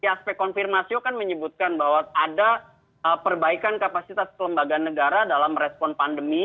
aspek konfirmasio kan menyebutkan bahwa ada perbaikan kapasitas kelembagaan negara dalam respon pandemi